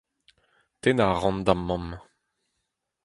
Tennañ a ran d'am mamm